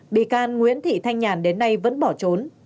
bị can nguyễn thị thanh nhàn đến nay vẫn bỏ trốn